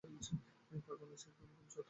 পাট বাংলাদেশের একটি অন্যতম অর্থকরী ফসল।